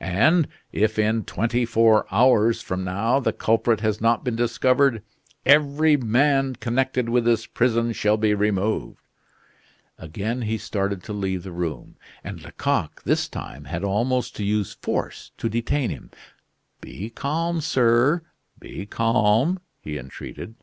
And if, in twenty four hours from now, the culprit has not been discovered, every man connected with this prison shall be removed." Again he started to leave the room, and Lecoq, this time, had almost to use force to detain him. "Be calm, sir; be calm," he entreated.